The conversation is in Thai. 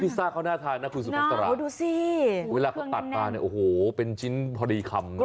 ซ่าเขาน่าทานนะคุณสุภาษาเวลาเขาตัดมาเนี่ยโอ้โหเป็นชิ้นพอดีคำนะ